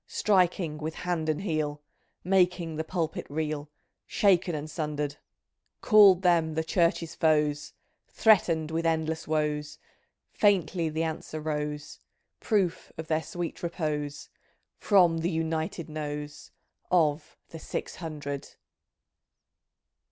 Striking with hand and heel. Making the pulpit reel. Shaken and sundered — Called them the Church's foes, Threatened with endless woes. Faintly the answer rose, <Proof of their sweet repose). From the United Nose Of the Six Hundred!